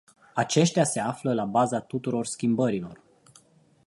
Aceștia se află la baza tuturor schimbărilor.